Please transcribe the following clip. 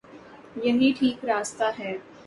یہی ٹھیک راستہ ہے۔